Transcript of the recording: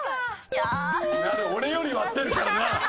なる俺より割ってるからな！